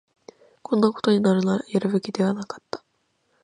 こんなことになるなら、やるべきではなかった